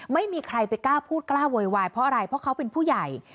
ไม่มีใครไปกล้าพูดกล้าโวยวายเพราะอะไรเพราะเขาเป็นผู้ใหญ่